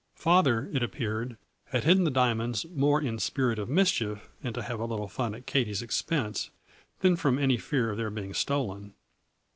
Father it ap peared had hidden the diamonds more in spirit of mischief, and to have a little fun at Katie's expense, than from any fear of their being stolen.